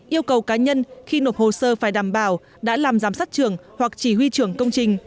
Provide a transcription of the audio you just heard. yêu cầu cá nhân khi nộp hồ sơ phải đảm bảo đã làm giám sát trưởng hoặc chỉ huy trưởng công trình